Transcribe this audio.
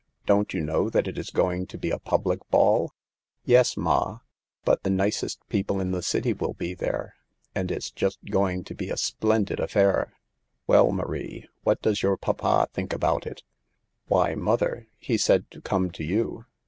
Don't you know that it is going to be a public ball ?"" Yes, ma ; but the nicest people in the city will be there, and it's just going to be a splen did affair." " Well, Marie, what does your papa think about it ?"" Why, mother, he said to come to you."